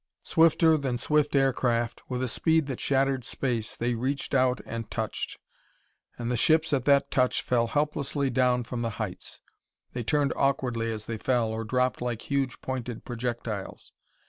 Swifter than swift aircraft, with a speed that shattered space, they reached out and touched and the ships, at that touch, fell helplessly down from the heights. They turned awkwardly as they fell or dropped like huge pointed projectiles.